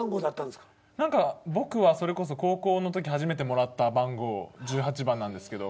何か僕はそれこそ高校のとき初めてもらった番号１８番なんですけど。